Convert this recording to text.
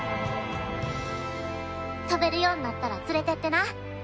飛べるようなったら連れてってな。